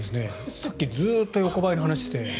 さっき、ずっと横ばいの話をして。